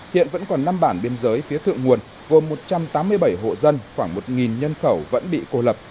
hiện vẫn còn năm bản biên giới phía thượng nguồn gồm một trăm tám mươi bảy hộ dân khoảng một nhân khẩu vẫn bị cô lập